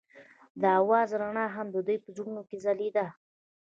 د اواز رڼا هم د دوی په زړونو کې ځلېده.